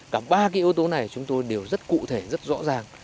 cả ba cái yếu tố này chúng tôi đều rất cụ thể rất rõ ràng